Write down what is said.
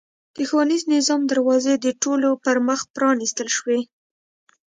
د ښوونیز نظام دروازې د ټولو پرمخ پرانېستل شوې.